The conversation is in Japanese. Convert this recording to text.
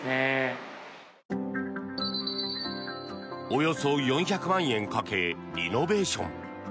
およそ４００万円かけリノベーション。